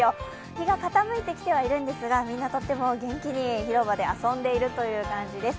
日が傾いてきてはいるんですが、みんなとっても元気に広場で遊んでいるという感じです。